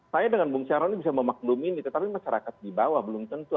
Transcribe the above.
saya dengan bung syahroni bisa memaklumi ini tetapi masyarakat di bawah belum tentu